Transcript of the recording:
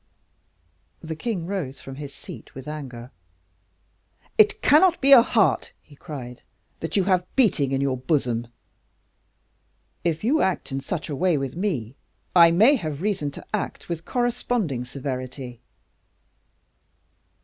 The king rose from his seat with anger. "It cannot be a heart," he cried, "you have beating in your bosom; if you act in such a way with me, I may have reason to act with corresponding severity."